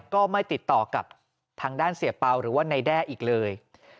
ก็ไม่ติดต่อกับทางด้านเสียเปล่าหรือว่าในแด้อีกเลย